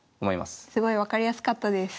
すごい分かりやすかったです。